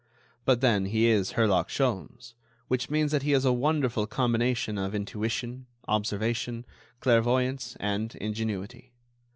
But then he is Herlock Sholmes—which means that he is a wonderful combination of intuition, observation, clairvoyance and ingenuity.